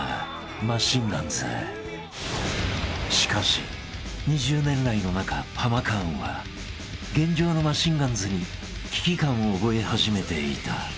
［しかし２０年来の仲ハマカーンは現状のマシンガンズに危機感を覚え始めていた］